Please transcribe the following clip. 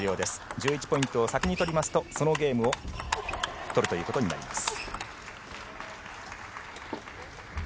１１ポイントを先に取りますとそのゲームを取るということになります。